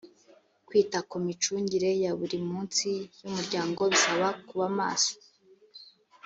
kwita ku micungire ya buri munsi y’ umuryango bisaba kubamaso.